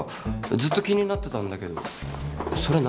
ずっと気になってたんだけどそれ何？